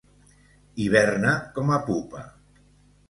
Hiberna com a pupa.